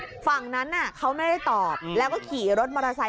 นี่ฟังนานาเขาไม่ได้ตอบแล้วพี่รถมอเตอร์ไซต์